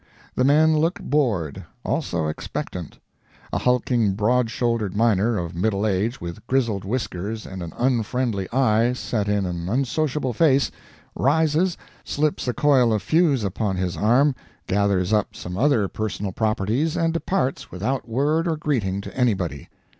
The men look bored; also expectant. A hulking broad shouldered miner, of middle age, with grizzled whiskers, and an unfriendly eye set in an unsociable face, rises, slips a coil of fuse upon his arm, gathers up some other personal properties, and departs without word or greeting to anybody.